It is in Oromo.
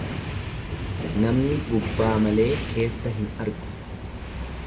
Namni gubbaa malee keessa hin argu.